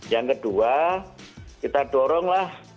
yang kedua kita doronglah